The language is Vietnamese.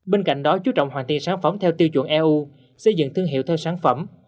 bên cạnh đó chú trọng hoàn tiên sản phẩm theo tiêu chuẩn eu xây dựng thương hiệu theo sản phẩm